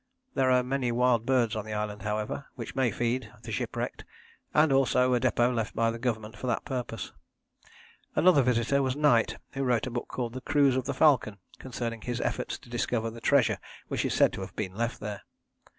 There are many wild birds on the island, however, which may feed the shipwrecked, and also a depôt left by the Government for that purpose. Another visitor was Knight, who wrote a book called The Cruise of the Falcon, concerning his efforts to discover the treasure which is said to have been left there.